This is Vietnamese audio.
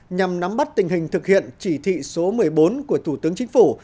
nhằm nắm bắt tình hình thực hiện chỉ thị số một mươi bốn của thủ tướng chính phủ